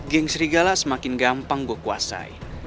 geng serigala semakin gampang gue kuasai